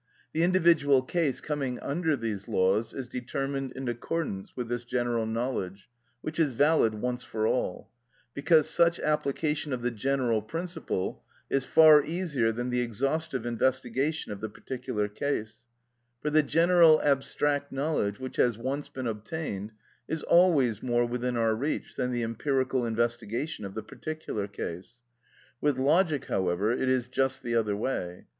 The individual case coming under these laws is determined in accordance with this general knowledge, which is valid once for all; because such application of the general principle is far easier than the exhaustive investigation of the particular case; for the general abstract knowledge which has once been obtained is always more within our reach than the empirical investigation of the particular case. With logic, however, it is just the other way.